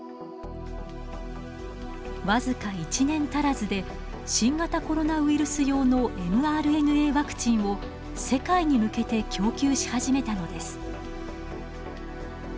わずか１年足らずで新型コロナウイルス用のｍＲＮＡワクチンを世界に向けて供給し始めたのです。